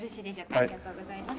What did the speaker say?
ありがとうございます。